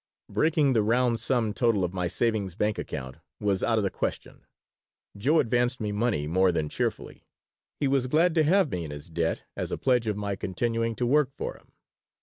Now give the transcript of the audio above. Breaking the round sum total of my savings bank account was out of the question. Joe advanced me money more than cheerfully. He was glad to have me in his debt as a pledge of my continuing to work for him.